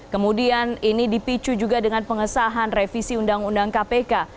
kemudian ini dipicu juga dengan pengesahan revisi undang undang kpk